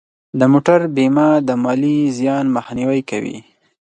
د موټر بیمه د مالی زیان مخنیوی کوي.